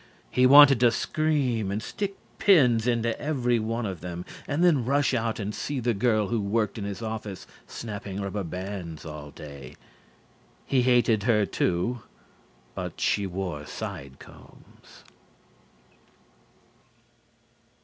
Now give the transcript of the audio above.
He wanted to scream and stick pins into every one of them and then rush out and see the girl who worked in his office snapping rubber bands all day. He hated her too, but she wore side combs.